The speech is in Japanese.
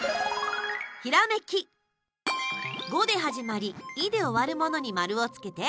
「ご」で始まり「い」で終わるものに丸をつけて！